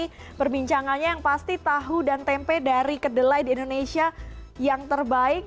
jadi perbincangannya yang pasti tahu dan tempe dari kedelai di indonesia yang terbaik